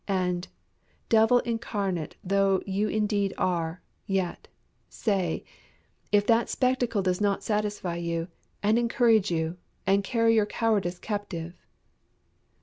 And, devil incarnate though you indeed are, yet, say, if that spectacle does not satisfy you, and encourage you, and carry your cowardice captive.